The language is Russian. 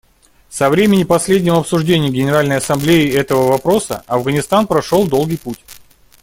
Со времени последнего обсуждения Генеральной Ассамблеей этого вопроса Афганистан прошел долгий путь.